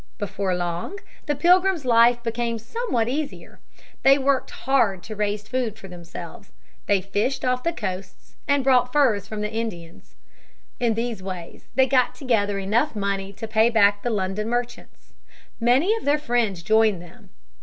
Before long the Pilgrims' life became somewhat easier. They worked hard to raise food for themselves, they fished off the coasts, and bought furs from the Indians. In these ways they got together enough money to pay back the London merchants. Many of their friends joined them.